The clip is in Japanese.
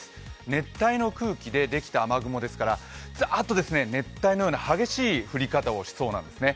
熱帯の空気でできた雨雲ですからザーッと熱帯のような激しい降り方をしそうなんですね。